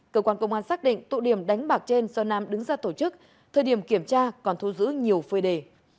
cơ quan công an xác định tụ điểm đánh bạc trên do nam đứng ra tổ chức thời điểm kiểm tra còn thu giữ nhiều phơi đề